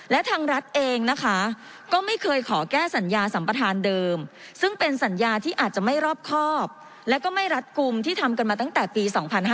และทางรัฐเองนะคะก็ไม่เคยขอแก้สัญญาสัมปทานเดิมซึ่งเป็นสัญญาที่อาจจะไม่รอบครอบและก็ไม่รัดกลุ่มที่ทำกันมาตั้งแต่ปี๒๕๕๙